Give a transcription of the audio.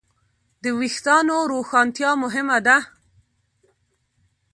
د وېښتیانو روښانتیا مهمه ده.